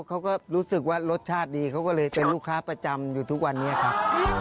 เขาก็รู้สึกว่ารสชาติดีเขาก็เลยเป็นลูกค้าประจำอยู่ทุกวันนี้ครับ